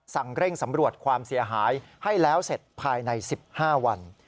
เร่งสำรวจความเสียหายให้แล้วเสร็จภายใน๑๕วัน